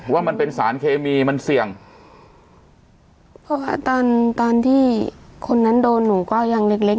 ว่ามันเป็นสารเคมีมันเสี่ยงเพราะว่าตอนตอนที่คนนั้นโดนหนูก็ยังเล็กเล็ก